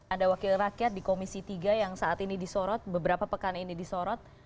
ada wakil rakyat di komisi tiga yang saat ini disorot beberapa pekan ini disorot